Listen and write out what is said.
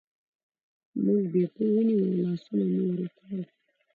موږ بیپو ونیوه او لاسونه مو ور وتړل.